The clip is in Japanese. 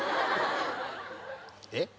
えっ？